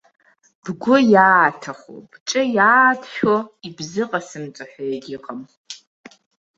Бгәы иааҭаху, бҿы иааҭшәо ибзыҟасымҵо ҳәа егьыҟам.